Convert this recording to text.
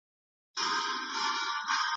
هغه شیان یې پیدا کړل چي مخکي نه وه.